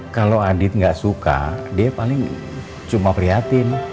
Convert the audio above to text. kalau adit gak suka dia paling cuma prihatin